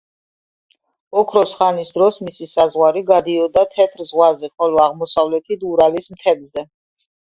ოქროს ხანის დროს მისი საზღვარი გადიოდა თეთრ ზღვაზე, ხოლო აღმოსავლეთით ურალის მთებზე.